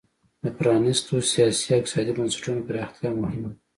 د پرانیستو سیاسي او اقتصادي بنسټونو پراختیا مهمه ده.